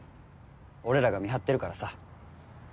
俺らが見張ってるからさ。